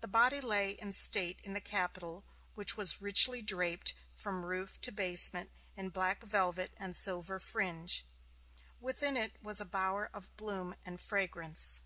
The body lay in state in the Capitol, which was richly draped from roof to basement in black velvet and silver fringe. Within it was a bower of bloom and fragrance.